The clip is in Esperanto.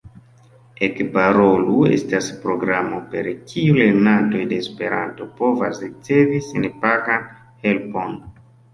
Ekparolu estas programo, per kiu lernantoj de Esperanto povas ricevi senpagan helpon.